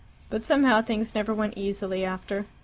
But somehow things never went easily after.